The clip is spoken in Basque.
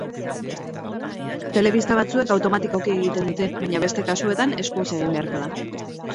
Telebista batzuek automatikoki egiten dute, baina beste kasuetan eskuz egin beharko da.